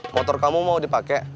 motor kamu mau dipake